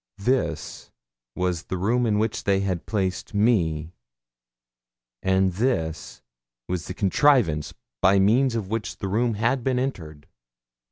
This was the room in which they had placed me, and this the contrivance by means of which the room had been entered.